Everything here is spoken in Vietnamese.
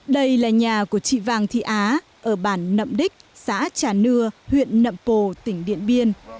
đây là nhà của chị vàng thị á ở bản nậm đích xã trà nưa huyện nậm pồ tỉnh điện biên